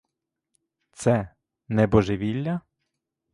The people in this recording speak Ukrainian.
Це — не божевілля?